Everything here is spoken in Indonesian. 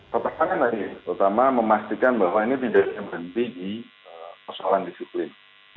kepertangan tadi terutama memastikan bahwa ini tidak bisa berhenti di persoalan disiplin